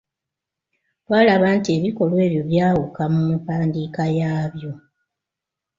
Twalaba nti ebikolwa ebyo byawuka mu mpandiika yaabyo.